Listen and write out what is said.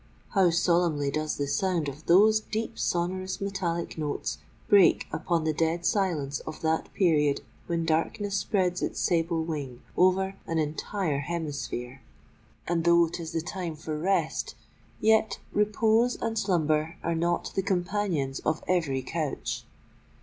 How solemnly does the sound of those deep, sonorous, metallic notes break upon the dead silence of that period when darkness spreads its sable wing over an entire hemisphere! And though 'tis the time for rest, yet repose and slumber are not the companions of every couch.